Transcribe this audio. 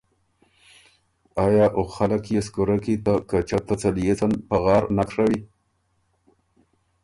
آیا او خلق يې سو کُورۀ کی ته کچۀ ته څليېڅن پغار نک ڒوِن؟